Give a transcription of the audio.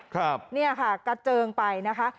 ครับเนี่ยค่ะกระเจิงไปนะคะ